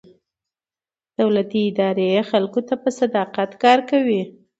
دولتي ادارې خلکو ته په صداقت کار کوي.